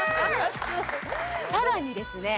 さらにですね